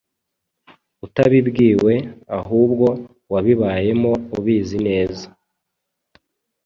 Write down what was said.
utabibwiwe ahubwo wabibayemo ubizi neza